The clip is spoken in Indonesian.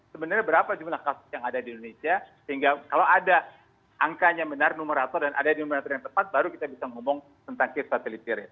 sebenarnya berapa jumlah kasus yang ada di indonesia sehingga kalau ada angkanya benar numerator dan ada numerator yang tepat baru kita bisa ngomong tentang case fatality rate